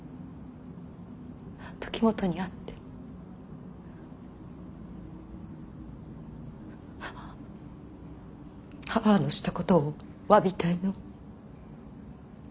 時元に会って母のしたことをわびたいの。